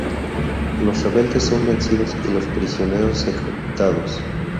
Los rebeldes son vencidos y los prisioneros ejecutados.